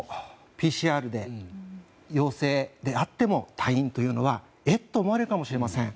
ＰＣＲで陽性であっても退院というのはえっと思われるかもしれません。